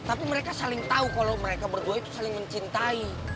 tapi mereka saling tahu kalau mereka berdua itu saling mencintai